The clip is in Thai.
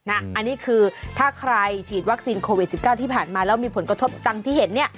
อันนี้คือถ้าใครฉีดวัคซีนโควิด๑๙ที่ผ่านมาแล้วมีผลกระทบดังที่เห็น